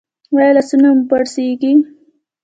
ایا لاسونه مو پړسیږي؟